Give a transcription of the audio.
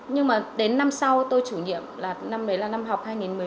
nhưng mà đến năm sau tôi chủ nhiệm là năm đấy là năm học hai nghìn một mươi bốn hai nghìn một mươi năm